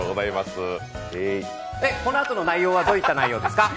このあとの内容はどういった内容ですか？